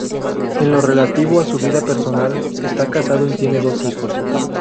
En lo relativo a su vida personal está casado y tiene dos hijos.